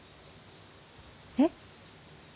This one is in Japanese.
えっ？